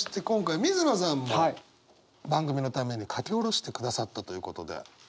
今回水野さんも番組のために書き下ろしてくださったということで。